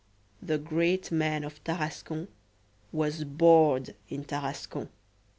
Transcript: The great man of Tarascon was bored in Tarascon.